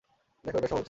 দেখো, এটা সহজ।